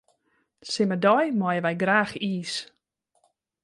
Simmerdei meie wy graach iis.